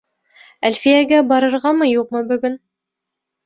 Әлфиәгә барырғамы, юҡмы бөгөн?